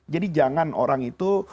jadi jangan orang itu